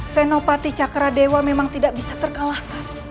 senopati cakradewa memang tidak bisa terkalahkan